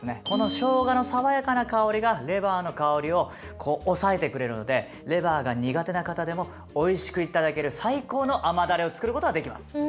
このしょうがの爽やかな香りがレバーの香りを抑えてくれるのでレバーが苦手な方でもおいしく頂ける最高の甘だれを作ることができます。